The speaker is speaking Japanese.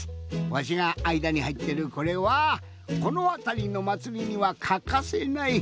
わしがあいだにはいってるこれはこのあたりのまつりにはかかせない